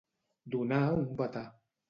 Donar un batà.